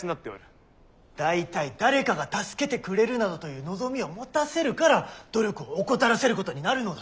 大体誰かが助けてくれるなどという望みを持たせるから努力を怠らせることになるのだ！